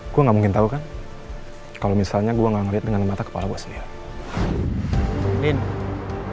gua nggak mungkin tahu kan kalau misalnya gua nggak lihat dengan mata kepala gue sendiri